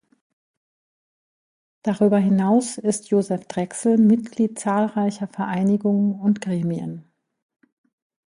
Darüber hinaus ist Josef Drexl Mitglied zahlreicher Vereinigungen und Gremien.